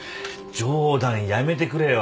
冗談やめてくれよ。